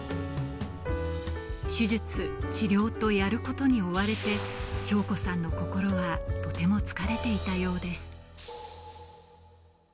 手術、治療とやることに追われて省子さんの心はとても疲れていたようです。